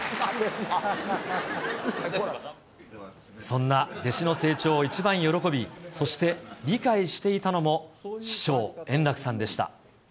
そんな弟子の成長を一番喜び、そして理解していたのも、師匠、圓楽さんでした。